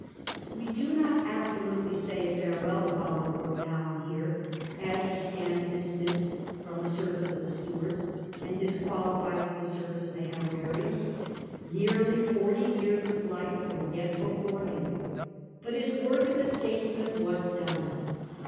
We do not absolutely say a &rewell to Boling broke now and here, as he stands dismissed firom the service of the Stuarts and disqualified for the service of the Hanoverians. Nearly forty years of life were yet before him ; but his work as a statesman was done.